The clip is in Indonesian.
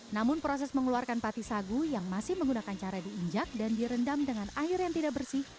namun proses mengeluarkan pati sagu yang masih menggunakan cara diinjak dan direndam dengan air yang tidak bersih